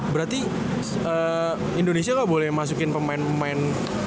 berarti indonesia gak boleh masukin pemain pemain